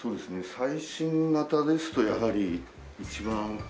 最新型ですとやはり一番。